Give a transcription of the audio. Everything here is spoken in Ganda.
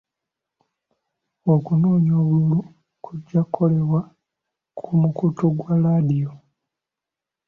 Okunoonya obululu kujja kukolebwa ku mikutu gya laadiyo.